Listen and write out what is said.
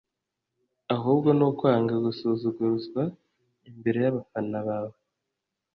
ahubwo ni ukwanga gusuzuguzwa imbere y’abafana bawe